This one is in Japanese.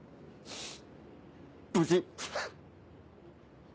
無事。